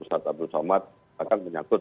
ustadz abdul somad akan menyakut